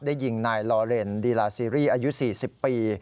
ได้ยิงนายลอเรนดิลาซีรีอายุ๔๐ปี